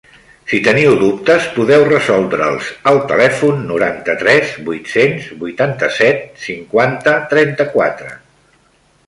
Si teniu dubtes, podeu resoldre'ls al telèfon noranta-tres vuit-cents vuitanta-set cinquanta trenta-quatre.